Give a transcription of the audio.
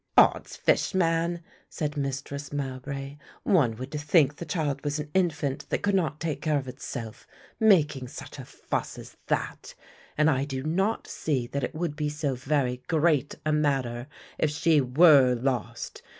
"Oddsfish man," said Mistress Mowbray, "one would think the child was an infant that could not take care of itself, making such a fuss as that! And I do not see that it would be so very great a matter if she were lost.